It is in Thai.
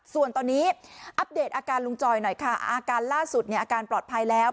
ส่วนตอนนี้อัปเดตอาการลุงจอยหน่อยค่ะอาการล่าสุดเนี่ยอาการปลอดภัยแล้ว